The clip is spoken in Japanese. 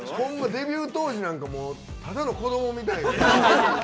デビュー当時なんてただの子どもみたいな。